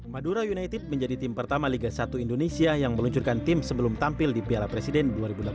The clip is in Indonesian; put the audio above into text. madura united menjadi tim pertama liga satu indonesia yang meluncurkan tim sebelum tampil di piala presiden dua ribu delapan belas